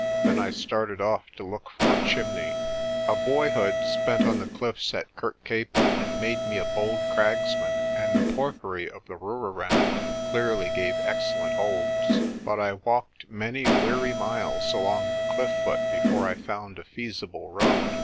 Then I started off to look for a chimney. A boyhood spent on the cliffs at Kirkcaple had made me a bold cragsman, and the porphyry of the Rooirand clearly gave excellent holds. But I walked many weary miles along the cliff foot before I found a feasible road.